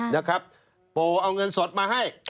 นะครับปู่เอาเงินสดมาให้